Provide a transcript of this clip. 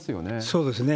そうですね。